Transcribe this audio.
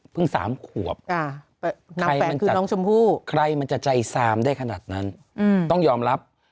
เพิ่งสามขวบใครมันจะใจซามได้ขนาดนั้นต้องยอมรับ